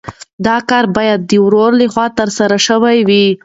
دا کار باید د ورور لخوا ترسره شوی وای.